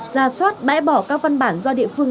ra soát bãi bỏ các văn bản do địa phương